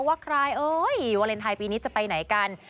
ว่าใครเอ้ยวาเลนไทยปีนี้จะไปไหนกัน